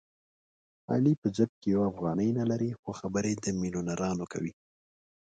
علي په جېب کې یوه افغانۍ نه لري خو خبرې د مېلیونرانو کوي.